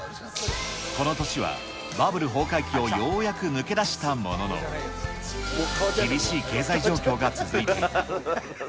この年はバブル崩壊期をようやく抜け出したものの、厳しい経済状況が続いていた。